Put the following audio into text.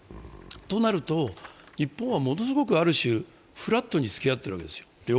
となると、日本はものすごくある種、両方ともフラットにつきあっているわけです。